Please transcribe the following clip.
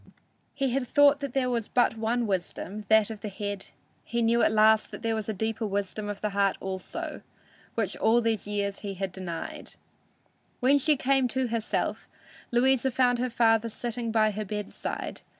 He had thought there was but one wisdom, that of the head; he knew at last that there was a deeper wisdom of the heart also, which all these years he had denied! When she came to herself, Louisa found her father sitting by her bedside.